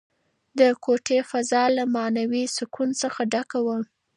د کوټې فضا له معنوي سکون څخه ډکه وه.